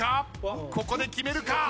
ここで決めるか？